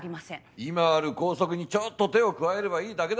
今ある校則にちょっと手を加えればいいだけだろう。